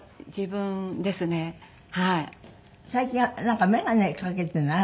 最近はなんか眼鏡かけていない？